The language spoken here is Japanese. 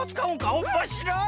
おもしろい！